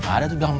ada tuh dong